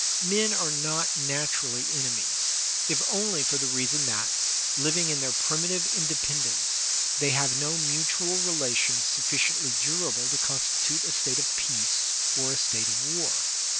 Men are not naturally enemies, if only for the reason that, living in their primitive independence, they have no mutual relations sufficiently durable to constitute a state of peace or a state of war.